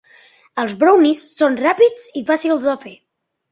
Els brownies són ràpids i fàcils de fer.